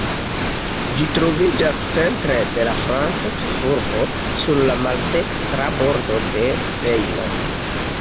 Ĝi troviĝas centre de la franca ĉefurbo, sur la maldekstra bordo de Sejno.